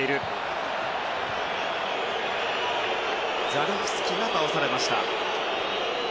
ザレフスキが倒されました。